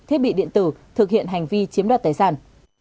thiết bị điện tử thực hiện hành vi chiếm đoạt tài sản